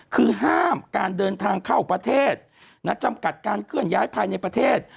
คือห้ามการเดินทางเข้าประเทศจำกัดการเคลื่อนย้ายภายในประเทศ